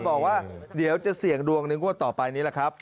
บอกว่าเดี๋ยวจะเสี่ยงดวงในงวดต่อไปนี้แหละครับ